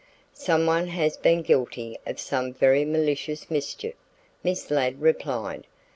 "Someone has been guilty of some very malicious mischief," Miss Ladd replied.